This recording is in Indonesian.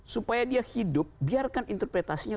supaya dia hidup biarkan interpretasinya